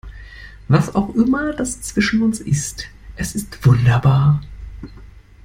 Was auch immer das zwischen uns ist, es ist wunderbar.